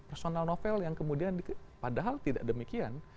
personal novel yang kemudian padahal tidak demikian